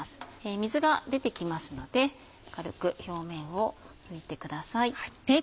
水が出てきますので軽く表面を拭いてください。